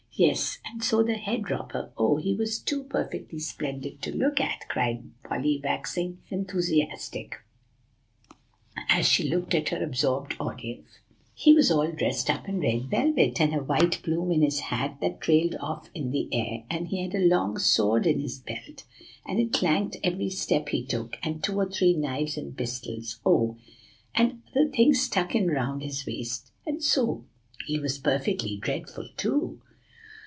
"Yes, and so the head robber, oh, he was too perfectly splendid to look at," cried Polly, waxing enthusiastic, as she looked at her absorbed audience, "he was all dressed up in red velvet, and a white plume in his hat that trailed off in the air, and he had a long sword in his belt, and it clanked every step he took, and two or three knives and pistols oh! and other things stuck in round his waist, so he was perfectly dreadful too.